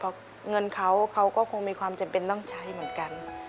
เพราะเงินเขาเขาก็คงมีความจำเป็นต้องใช้เหมือนกัน